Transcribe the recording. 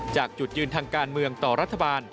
จากจุดยืนทางการเมืองต่อรัฐบาล